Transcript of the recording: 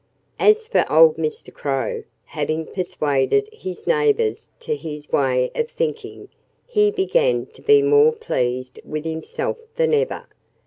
As for old Mr. Crow, having persuaded his neighbors to his way of thinking, he began to be more pleased with himself than ever.